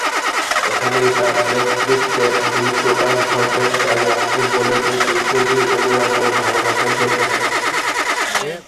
এখানেই তার নেতৃত্বের বহিঃপ্রকাশ ঘটে এবং ফুটবলের প্রতি গভীর অনুরাগ ও ভালবাসার জন্ম নেয়।